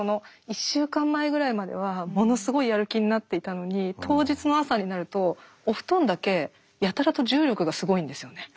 １週間前ぐらいまではものすごいやる気になっていたのに当日の朝になるとお布団だけやたらと重力がすごいんですよね。